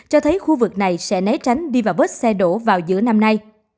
cho thấy khu vực này sẽ né tránh đi vào vết xe đổ vào giữa năm nay